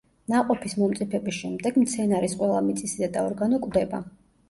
ნაყოფის მომწიფების შემდეგ მცენარის ყველა მიწისზედა ორგანო კვდება.